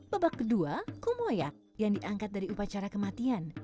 babak kedua kumoyak yang diangkat dari upacara kematian